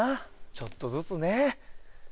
ちょっとずつね。